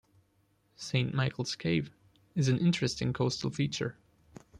Saint Michaels Cave is an interesting coastal feature.